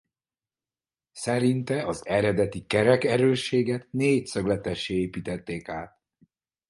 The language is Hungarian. Szerinte az eredeti kerek erősséget négyszögletessé építették át.